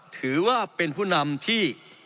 ถือว่าเป็นผู้นำที่